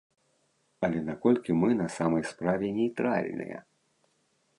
Але наколькі мы на самай справе нейтральныя?